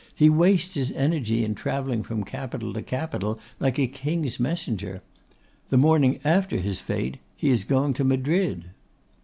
He wastes his energy in travelling from capital to capital like a King's messenger. The morning after his fête he is going to Madrid.